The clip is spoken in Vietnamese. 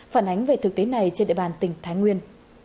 phản ánh về thực tế này trên địa bàn tỉnh thái nguyên